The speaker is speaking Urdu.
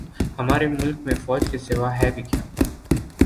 ہمارے ملک میں فوج کے سوا ھے بھی کیا